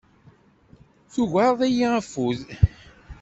Tugareḍ-iyi afud.